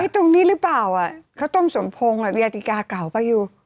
ตรงนี้หรือเปล่าเค้าต้นสนพงบอสครับอาติกากัดเปล่าอยู่